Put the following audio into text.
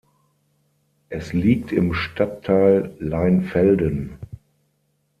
Es liegt im Stadtteil Leinfelden.